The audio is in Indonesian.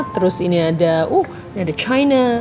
terus ini ada china